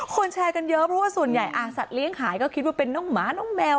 แชร์กันเยอะเพราะว่าส่วนใหญ่สัตว์เลี้ยงหายก็คิดว่าเป็นน้องหมาน้องแมว